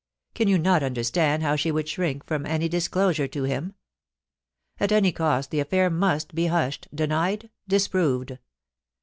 Can you not understand how she would shrink from any disclosure to him ? At any cost the affair must be hushed, denied, disproved.